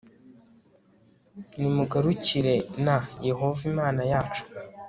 nimugarukiren Yehova Imana yacu